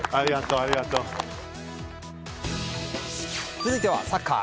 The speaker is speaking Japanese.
続いてはサッカー。